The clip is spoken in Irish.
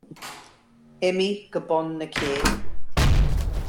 Imigh go bun na cé.